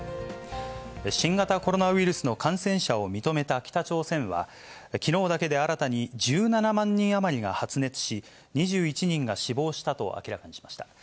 新型コロナウイルスの感染者を認めた北朝鮮は、きのうだけで新たに１７万人余りが発熱し、２１人が死亡したと明らかにしました。